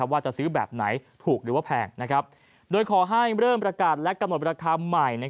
ว่าจะซื้อแบบไหนถูกหรือว่าแพงโดยขอให้เริ่มประกาศและกำหนดราคาใหม่